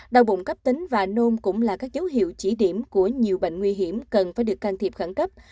đau bụng cấp tính và nôn cũng là các dấu hiệu chỉ điểm của nhiều bệnh nguy hiểm cần phải được can thiệp khẩn cấp